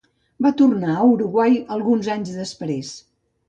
Va tornar a Uruguay alguns anys després.